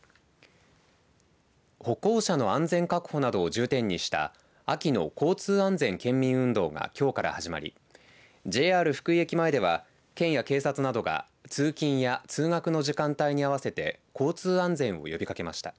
歩行者の安全確保などを重点にした秋の交通安全県民運動がきょうから始まりＪＲ福井駅前では県や警察などが通勤や通学の時間帯に合わせて交通安全を呼びかけました。